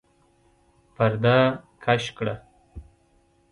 پرده کش کړه!